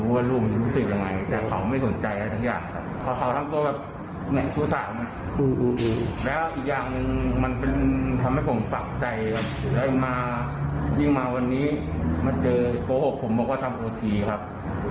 ให้โทรให้ผมไปรับที่อื่นแล้วก็ไปนั่งกินเบียอยู่กับใครไม่รู้ครับ